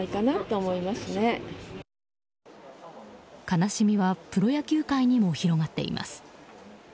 悲しみはプロ野球界にも広がっています。